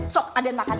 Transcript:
sok aden makan